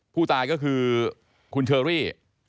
ผู้ตายก็คือคุณเชอรี่